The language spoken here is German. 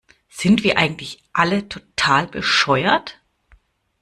Sind wir eigentlich alle total bescheuert?